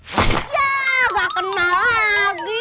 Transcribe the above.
yah gak kena lagi